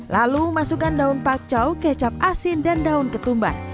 lalu masukkan daun pakco kecap asin dan daun ketumbar